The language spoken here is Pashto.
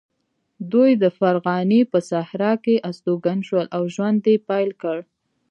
دوی د فرغانې په صحرا کې استوګن شول او ژوند یې پیل کړ.